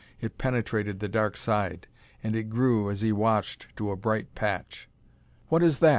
It penetrated the dark side. And it grew, as he watched, to a bright patch. "What is that?"